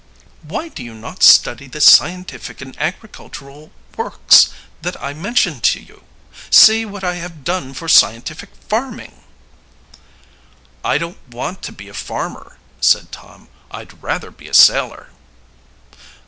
"Why do you not study the scientific and agricultural works that I mentioned to you? See what I have done for scientific farming." "I don't want to be a farmer," said Tom. "I'd rather be a sailor."